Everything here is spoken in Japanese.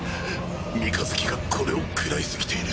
三日月がこれをくらい過ぎている。